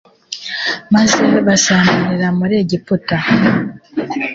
maze basambanira muri egiputa